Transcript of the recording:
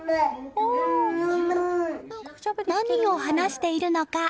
何を話しているのか？